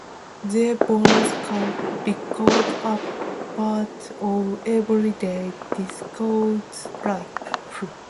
The Bonus Cup became a part of everyday Descendants life.